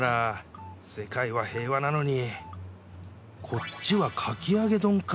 こっちはかき揚げ丼か